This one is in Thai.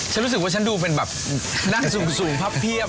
ฉันรู้สึกว่าฉันดูเป็นแบบนั่งสูงพับเพียบ